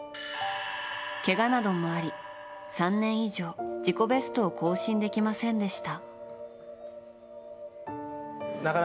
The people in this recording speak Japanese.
けがなどもあり、３年以上自己ベストを更新できませんでした。